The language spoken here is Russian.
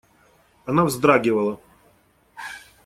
Она вздрагивала.